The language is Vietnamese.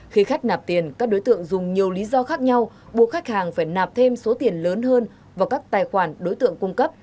khi khách nạp tiền các đối tượng dùng nhiều lý do khác nhau buộc khách hàng phải nạp thêm số tiền lớn hơn vào các tài khoản đối tượng cung cấp